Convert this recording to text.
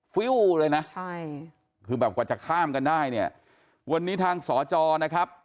ฟิวเลยนะใช่คือแบบกว่าจะข้ามกันได้เนี่ยวันนี้ทางสอจอนะครับ